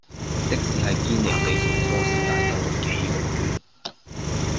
的士喺堅尼地城科士街兜左幾個圈